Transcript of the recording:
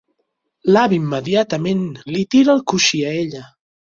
L'avi immediatament li tira el coixí a ella.